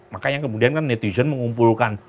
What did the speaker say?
makanya kemudian kan netizen mengumpulkan